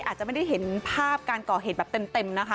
อาจจะไม่ได้เห็นภาพการก่อเหตุแบบเต็มนะคะ